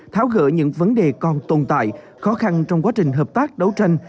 tháo gỡ những vấn đề còn tồn tại khó khăn trong quá trình hợp tác đấu tranh